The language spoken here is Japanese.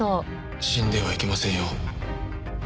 死んではいけませんよ。